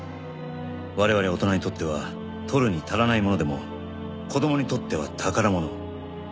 我々大人にとっては取るに足らないものでも子供にとっては宝物。